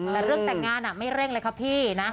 แต่เรื่องแต่งงานไม่เร่งเลยครับพี่นะ